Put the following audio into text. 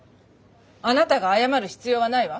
あなたが謝る必要はないわ。